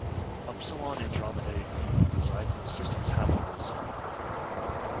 Upsilon Andromedae d resides in the system's habitable zone.